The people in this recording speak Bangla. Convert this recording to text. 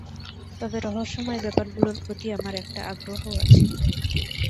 তবে রহস্যময় ব্যাপারগুলোর প্রতি আমার একটা আগ্রহ আছে।